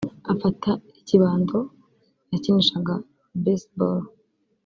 afata ikibando yakinishaga baseball